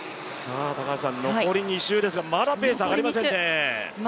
残り２周ですがまだペース上がりませんね。